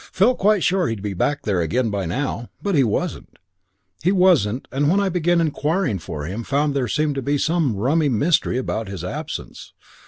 Felt quite sure he'd be back there again by now. But he wasn't. He wasn't, and when I began inquiring for him found there seemed to be some rummy mystery about his absence.